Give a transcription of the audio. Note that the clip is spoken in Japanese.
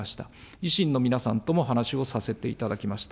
維新の皆さんとも話をさせていただきました。